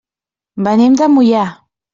Venim de Moià.